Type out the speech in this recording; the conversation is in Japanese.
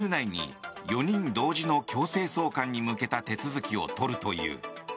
フィリピンの法務省は週内に４人同時の強制送還に向けた手続きを取るという。